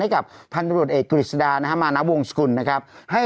ให้กับพันธุ์ตรีเอกกุฤษฎานะฮะมานับวงศคุณนะครับให้